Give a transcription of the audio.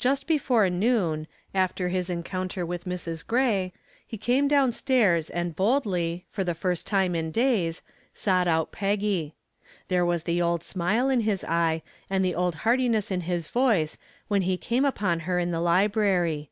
Just before noon, after his encounter with Mrs. Gray, he came down stairs and boldly, for the first time in days, sought out Peggy. There was the old smile in his eye and the old heartiness in his voice when he came upon her in the library.